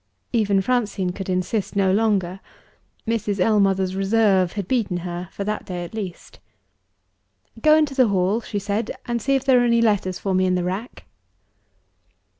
Even Francine could insist no longer: Mrs. Ellmother's reserve had beaten her for that day at least. "Go into the hall," she said, "and see if there are any letters for me in the rack."